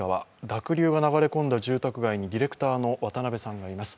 濁流が流れ込んだ住宅街にディレクターの渡部さんがいます。